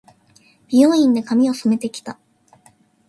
美容院で、髪を染めて来た。